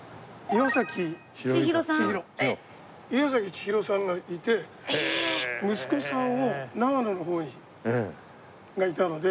いわさきちひろさんがいて息子さんを長野の方に。がいたので。